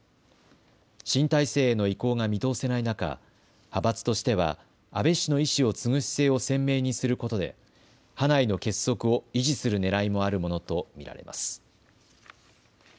新体制への移行が見通せない中、派閥としては安倍氏の遺志を継ぐ姿勢を鮮明にすることで派内の結束を維持するねらいもあるものと見られます。